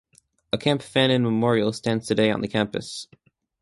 A Camp Fannin Memorial stands today on the campus.